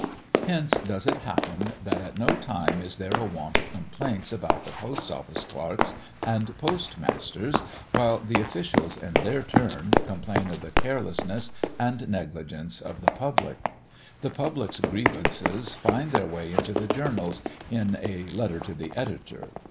Hence does it happen that at no time is there a want of complaints about the Post office clerks and post masters, while the officials, in their turn, complain of the carelessness and negligence of the public. The public's grievances find their way into the Journals, in a "Letter to the Editor."